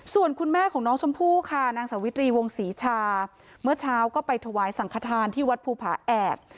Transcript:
ส่วนคุณแม่ของน้องชมพู่ค่ะนางสาวิตรีวงศรีชาเมื่อเช้าก็ไปถวายสังขทานที่วัดภูผาแอบ